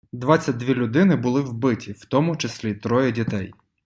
Двадцять дві людини були вбиті, в тому числі троє дітей.